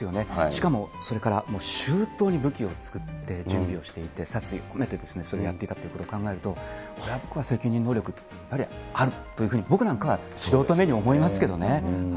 しかもそれからもう周到に武器を作って準備をしていて、殺意を込めて、それをやっていたということを考えると、これは責任能力、やはりあるというふうに、僕なんかは素人目に思いますけれどもね。